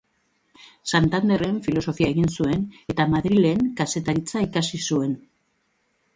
Santanderren filosofia egin zuen eta Madrilen kazetaritza ikasi zuen.